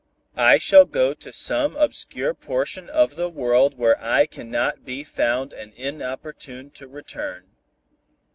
I shall go to some obscure portion of the world where I cannot be found and importuned to return.